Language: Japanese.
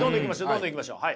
どんどんいきましょう。